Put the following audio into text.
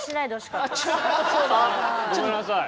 あっごめんなさい。